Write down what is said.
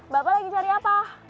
bapak lagi cari apa